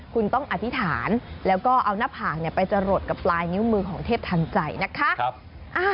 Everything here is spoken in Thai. คุณต้องอธิษฐานแล้วก็เอาหน้าผากไปจรดกับปลายนิ้วมือของเทพทันใจนะคะ